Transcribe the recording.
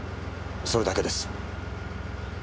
それだけです。